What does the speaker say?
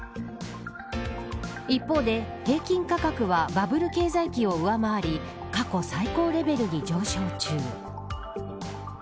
一方で、平均価格はバブル経済期を上回り過去最高レベルに上昇中。